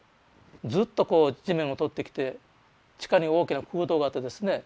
ずっとこう地面を通ってきて地下に大きな空洞があってですね